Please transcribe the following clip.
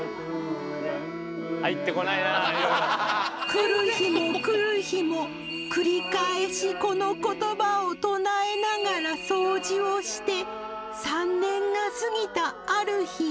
来る日も来る日も繰り返しこのことばを唱えながら掃除をして３年が過ぎたある日。